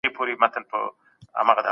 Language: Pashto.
دغه سړي خپله کڅوڼه ليري واچوله.